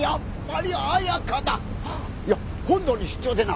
いや本土に出張でな。